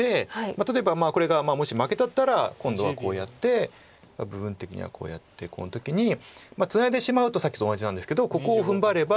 例えばこれがもし負けちゃったら今度はこうやって部分的にはこうやってこの時にツナいでしまうとさっきと同じなんですけどここを踏ん張れば。